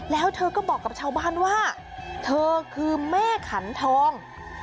แล้วเธอก็บอกกับชาวบ้านว่าเธอคือแม่ขันทอง